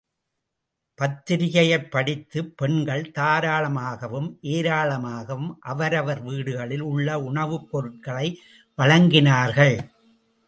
பத்திரிக்கையைப் படித்த பெண்கள், தாராளமாகவும், ஏராளமாகவும் அவரவர் வீடுகளிலே உள்ள உணவுப் பொருட்களை வழங்கினார்கள்.